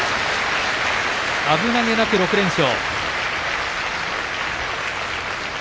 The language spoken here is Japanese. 危なげなく６連勝。